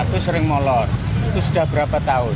itu sering molor itu sudah berapa tahun